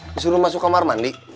disuruh masuk kamar mandi